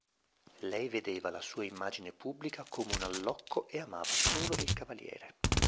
Lei vedeva la sua immagine pubblica come un allocco e amava solo il Cavaliere.